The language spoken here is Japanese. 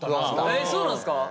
えそうなんすか！